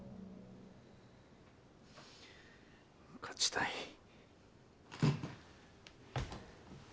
勝ちたい。